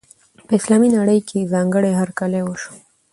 په اسلامي نړۍ کې یې ځانګړی هرکلی وشو.